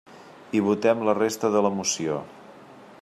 I votem la resta de la moció.